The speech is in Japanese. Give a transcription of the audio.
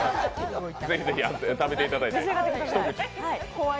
ぜひ食べていただいて。